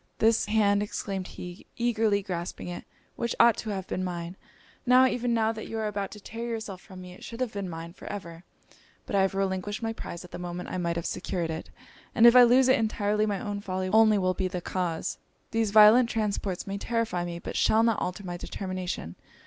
'This hand,' exclaimed he, eagerly grasping it, 'which ought to have been mine! Now, even now, that you are about to tear yourself from me, it should have been mine for ever! But I have relinquished my prize at the moment I might have secured it; and if I lose it entirely my own folly only will be the cause.' 'These violent transports may terrify me, but shall not alter my determination.